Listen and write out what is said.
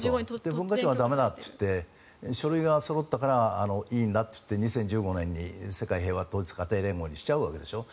文化庁で通って書類がそろったからいいんだといって２０１５年に世界平和統一家庭連合にしちゃうわけでしょう。